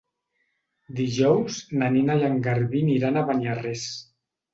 Dijous na Nina i en Garbí aniran a Beniarrés.